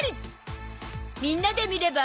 みんなで見れば？